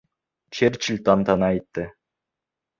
Черчилль тантана итте.